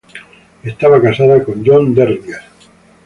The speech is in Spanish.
Estaba casada con John Derringer.